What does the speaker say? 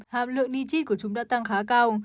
hàm lượng nitrit của chúng đã tăng khá cao